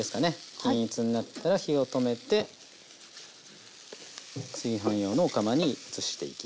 均一になったら火を止めて炊飯用のお釜に移していきます。